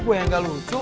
gue gak lucu